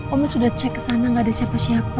omnya sudah cek ke sana gak ada siapa siapa